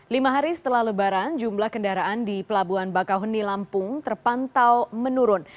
lima hari setelah lebaran jumlah kendaraan di pelabuhan bakauheni lampung terpantau menurun